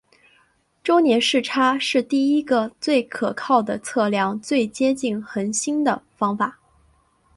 周年视差是第一个最可靠的测量最接近恒星的方法。